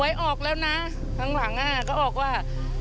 หวยออกแล้วนะข้างหลังอ่ะก็ออกว่า๒๒๖๐